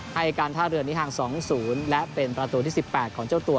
ให้การท่าเรือนนี้มาทาง๒ถุงและเป็นประตูที่สิบแปดของเจ้าตัว